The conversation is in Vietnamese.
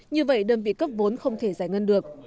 như vậy đơn vị cấp vốn không thể giải ngân được